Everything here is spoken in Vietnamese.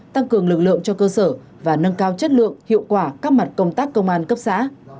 tăng cường lực lượng cho cơ sở và nâng cao chất lượng hiệu quả các mặt công tác công an cấp xã